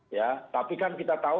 ya tapi kan kita tahu